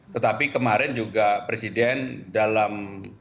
tetapi kemarin juga presiden dalam